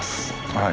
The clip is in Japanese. はい。